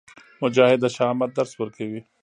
مجاهد د شهامت درس ورکوي.